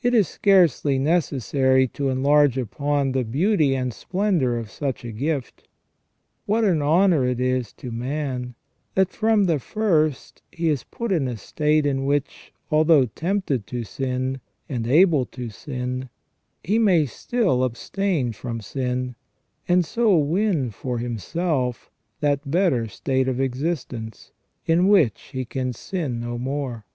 It is scarcely necessary to enlarge upon the beauty and splendour of such a gift. What an honour it is to man, that from the first he is put in a state in which, although tempted to sin, and able to sin, he may still abstain from sin, and so win for himself that better state of existence, in which he can sin no more.